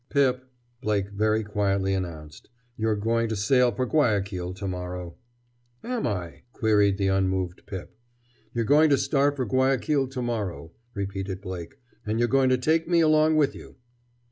"Pip," Blake very quietly announced, "you're going to sail for Guayaquil to morrow!" "Am I?" queried the unmoved Pip. "You're going to start for Guayaquil to morrow," repeated Blake, "and you're going to take me along with you!"